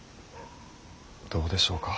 どうでしょうか。